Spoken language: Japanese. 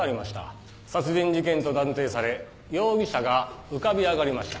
殺人事件と断定され容疑者が浮かび上がりました。